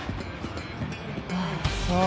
あっそう。